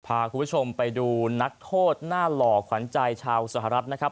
พาคุณผู้ชมไปดูนักโทษหน้าหล่อขวัญใจชาวสหรัฐนะครับ